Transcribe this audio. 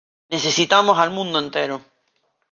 Necesitamos al mundo entero.